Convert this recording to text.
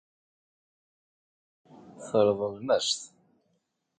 Tṛeḍlem-as-t.